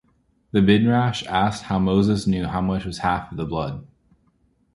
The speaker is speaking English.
The Midrash asked how Moses knew how much was half of the blood.